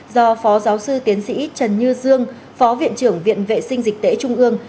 do phó giáo sư tiến sĩ trần như dương phó viện trưởng viện vệ sinh dịch tễ trung ương